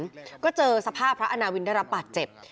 แล้วก็เจอสภาพพระอาณาวินได้รับบาดเจ็บ